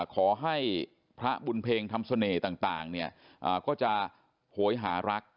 ขอให้พระบุญเพ็งทำเสน่ห์ต่างเนี่ยก็จะโหยหารัก